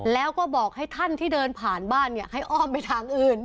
แล้วก็บอกให้ท่านที่เดินผ่านบ้านให้อ้อมไปทางอื่น